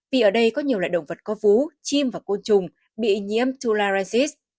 vì ở đây có nhiều loại động vật có vú chim và côn trùng bị nhiễm tularicis